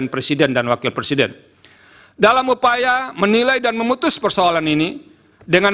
presiden dan wakil presiden dalam upaya menilai dan memutus persoalan ini dengan